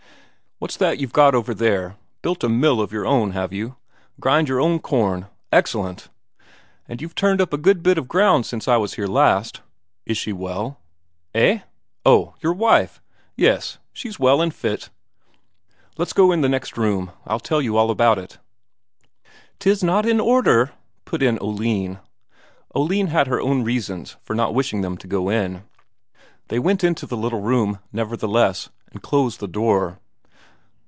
"What's that you've got over there? Built a mill of your own, have you? grind your own corn? Excellent. And you've turned up a good bit of ground since I was here last." "Is she well?" "Eh? Oh, your wife! yes, she's well and fit. Let's go in the next room. I'll tell you all about it." "'Tis not in order," put in Oline. Oline had her own reasons for not wishing them to go in. They went into the little room nevertheless, and closed the door.